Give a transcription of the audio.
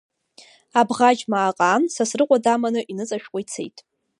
Абӷаџьма ааҟаан, Сасрыҟәа даманы иныҵашәкәа ицеит.